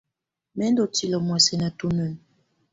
Mɛ̀ ndɔ̀ tilǝ muɛsɛ nà tunǝn.